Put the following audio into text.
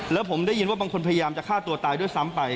แล้วผมได้ยินว่าบางคนพยายามจะฆ่าตัวตายด้วยซ้ำไป